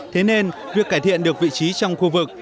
thế nên việc cải thiện được vị trí trong khu vực